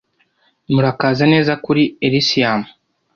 Murakaza neza kuri Elysium